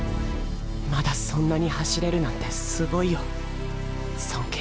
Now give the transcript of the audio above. まだそんなに走れるなんてすごいよ尊敬する。